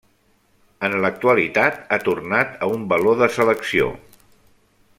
En l'actualitat ha tornat a un valor de selecció.